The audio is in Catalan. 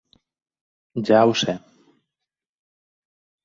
Ja ho sé.